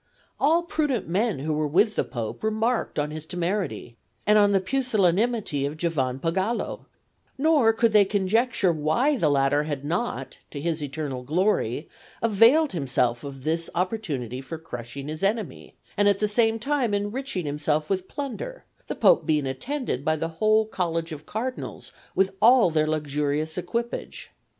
All prudent men who were with the Pope remarked on his temerity, and on the pusillanimity of Giovanpagolo; nor could they conjecture why the latter had not, to his eternal glory, availed himself of this opportunity for crushing his enemy, and at the same time enriching himself with plunder, the Pope being attended by the whole College of Cardinals with all their luxurious equipage.